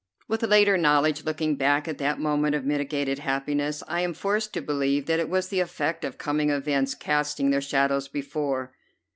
With later knowledge, looking back at that moment of mitigated happiness, I am forced to believe that it was the effect of coming events casting their shadows before.